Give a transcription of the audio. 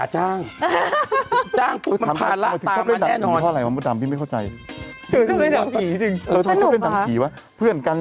ห้าแล้วก็ห้าเพลงนั้น